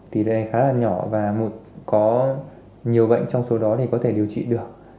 thì đây khá là nhỏ và có nhiều bệnh trong số đó thì có thể điều trị được